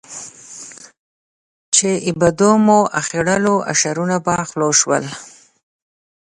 چې د بامونو د اخېړولو اشرونه به خلاص شول.